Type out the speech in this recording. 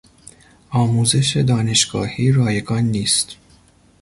آموزش دانشگاهی رایگان نیست.